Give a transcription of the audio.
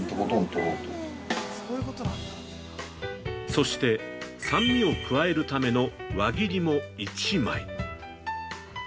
◆そして、酸味を加えるための輪切りも１枚。